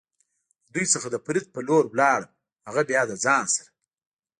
له دوی څخه د فرید په لور ولاړم، هغه بیا له ځان سره.